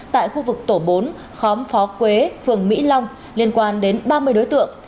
tại khu vực tổ bốn khóm phó quế phường mỹ long liên quan đến ba mươi đối tượng